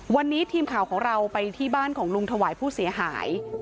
วันนี้ทีมข่าวของเราไปที่บ้านของลุงถวายผู้เสียหาย